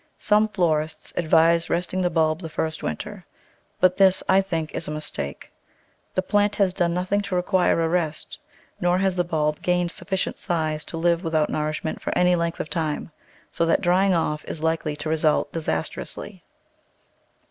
Some florists advise resting the bulb the first winter, but this, I think, is a mistake; the plant has done nothing to require a rest, nor has the bulb gained sufficient size to live without nourish ment for any length of time, so that drying off is likely to result disastrously.